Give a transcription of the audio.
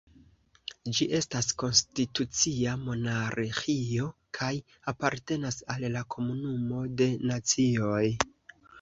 Ĝi estas konstitucia monarĥio kaj apartenas al la Komunumo de Nacioj.